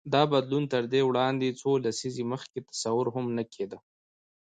دا بدلون تر دې وړاندې څو لسیزې مخکې تصور هم نه کېده.